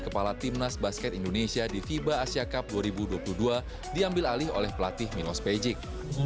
kepala timnas basket indonesia di fiba asia cup dua ribu dua puluh dua diambil alih oleh pelatih minos pejik